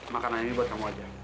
makanan ini buat kamu aja